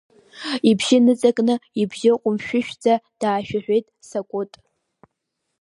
Ибжьы ныҵакны, ибжьы ҟәымшәышәӡа даашәаҳәеит Сакәыт.